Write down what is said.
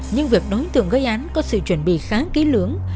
nhưng việc đối tượng gây án có sự chuẩn bị khá kỹ lưỡng